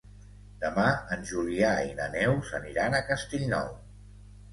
Demà en Julià i na Neus aniran a Castellnou.